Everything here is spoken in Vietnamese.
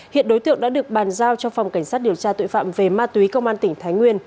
hiện đối tượng đã được bàn giao cho phòng cảnh sát điều tra tội phạm về ma túy công an tỉnh thái nguyên